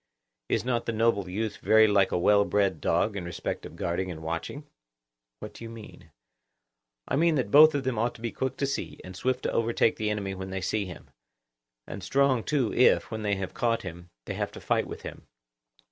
Is not the noble youth very like a well bred dog in respect of guarding and watching? What do you mean? I mean that both of them ought to be quick to see, and swift to overtake the enemy when they see him; and strong too if, when they have caught him, they have to fight with him.